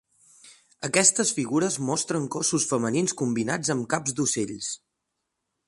Aquestes figures mostren cossos femenins combinats amb caps d"ocells.